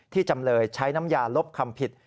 จำเลยใช้น้ำยาลบคำผิด